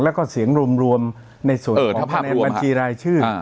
แล้วก็เสียงรวมในส่วนในบัญชีรายชื่อ